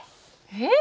えっ？